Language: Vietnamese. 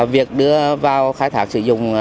việc đưa vào khai thác sử dụng